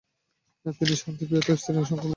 তিনি শান্তিপ্রিয়তা ও স্থির সংকল্পবদ্ধ ছিলেন।